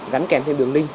gắn kèm thêm đường link